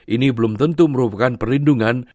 ini belum tentu merupakan perlindungan